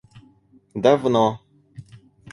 давно